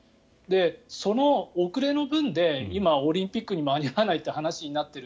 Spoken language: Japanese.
その遅れの分で今、オリンピックに間に合わないという話になっている。